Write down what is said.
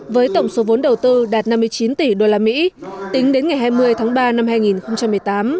với tổng số vốn đầu tư đạt năm mươi chín tỷ usd tính đến ngày hai mươi tháng ba năm hai nghìn một mươi tám